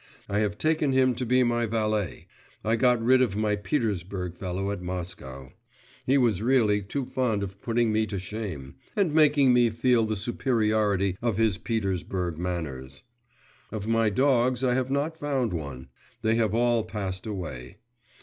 I have taken him to be my valet; I got rid of my Petersburg fellow at Moscow; he was really too fond of putting me to shame, and making me feel the superiority of his Petersburg manners. Of my dogs I have not found one; they have all passed away.